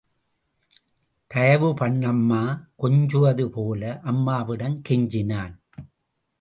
தயவுபண்ணும்மா கொஞ்சுவது போல அம்மாவிடம் கெஞ்சினான்.